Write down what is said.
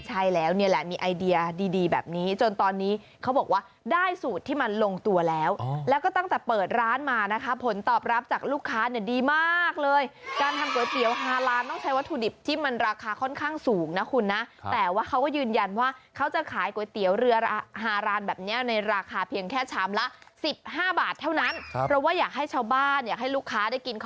ใช่แล้วเนี่ยแหละมีไอเดียดีแบบนี้จนตอนนี้เขาบอกว่าได้สูตรที่มันลงตัวแล้วแล้วก็ตั้งแต่เปิดร้านมานะครับผลตอบรับจากลูกค้าเนี่ยดีมากเลยการทำก๋วยเตี๋ยวฮารานต้องใช้วัตถุดิบที่มันราคาค่อนข้างสูงนะคุณนะแต่ว่าเขาก็ยืนยันว่าเขาจะขายก๋วยเตี๋ยวเรือฮารานแบบนี้ในราคาเพียงแค่ชามละ